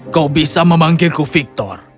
kau bisa memanggilku victor